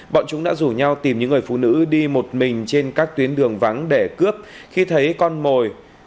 bọn chúng đã rủ nhau tìm những người phụ nữ đi một mình trên các tuyến đường vắng để cướp khi thấy con mồi